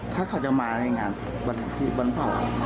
ถ้าเขาจะมาอย่างนั้นวันที่วันเผ่า